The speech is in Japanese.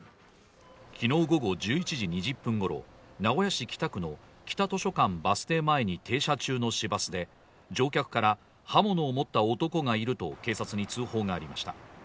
昨日午後１１時２０分ごろ名古屋市北区の北図書館バス停前に停車中の市バスで乗客から刃物を持った男がいると警察に通報がありました。